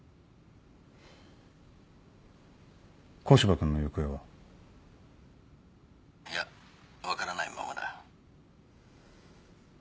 古芝君の行方は？いや分からないままだ。